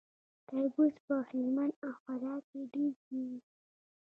تربوز په هلمند او فراه کې ډیر کیږي.